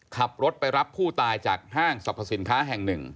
ขับรถไปรับผู้ตายจากห้างสรรพสินค้าแห่งหนึ่ง